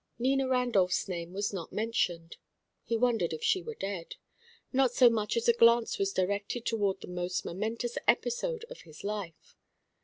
Nina Randolph's name was not mentioned. He wondered if she were dead. Not so much as a glance was directed toward the most momentous episode of his life.